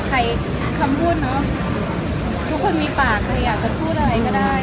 ใครคำพูดเนอะทุกคนมีปากใครอยากจะพูดอะไรก็ได้